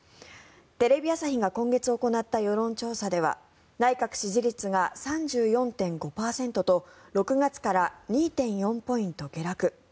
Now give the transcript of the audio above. テレビ朝日が今月行った世論調査では内閣支持率が３４．５％と６月から２．４ポイント下落。